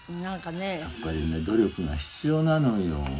「やっぱりね努力が必要なのよ」